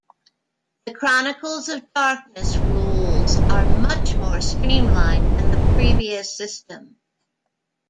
The Chronicles of Darkness rules are much more streamlined than the previous system.